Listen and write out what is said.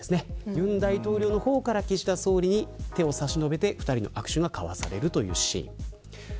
尹大統領の方から岸田総理に手を差し伸べて２人の握手が交わされるというシーン。